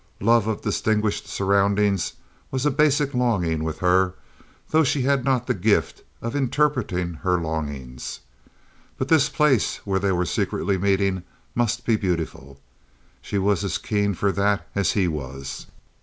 Love of distinguished surroundings was a basic longing with her, though she had not the gift of interpreting her longings. But this place where they were secretly meeting must be beautiful. She was as keen for that as he was.